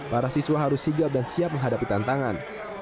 para siswa harus sigap dan siap menghadapi tantangan